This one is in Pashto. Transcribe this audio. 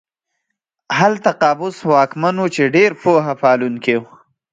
هلته قابوس واکمن و چې ډېر پوه پالونکی و.